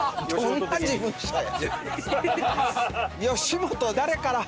吉本誰から？